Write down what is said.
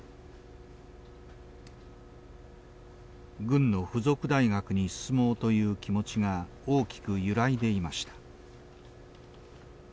軍の付属大学に進もうという気持ちが大きく揺らいでいました。